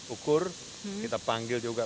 ukur kita panggil juga